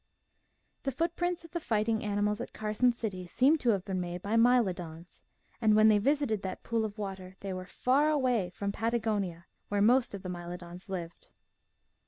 The footprints of the fighting animals at Carson City seem to have been made by My SOME SOUTH AMERICAN RULERS 133 lodons, and when they visited that pool of water, they were far away from Patagonia, where most of the Mylodons then lived.